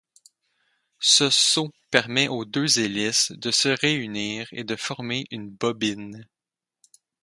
Ce sceau permet aux deux hélices de se réunir et de former une bobine.